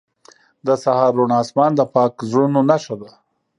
• د سهار روڼ آسمان د پاک زړونو نښه ده.